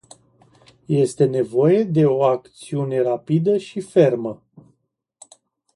Este nevoie de o acțiune rapidă și fermă.